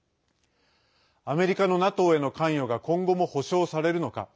アメリカのＮＡＴＯへの関与が今後も保証されるのか。